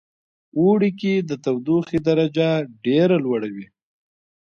اوړی کې د تودوخې درجه ډیره لوړه وی